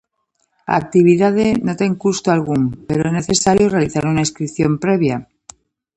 A actividade non ten custo algún pero é necesario realizar unha inscrición previa.